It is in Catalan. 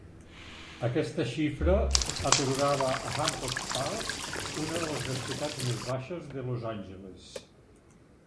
Aquesta xifra atorgava a Hancock Park una de les densitats més baixes de Los Angeles.